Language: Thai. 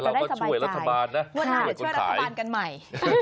เราก็ช่วยรัฐบาลนะช่วยคนขาย